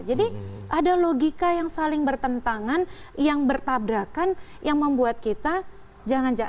jadi ada logika yang saling bertentangan yang bertabrakan yang membuat kita jangan jangan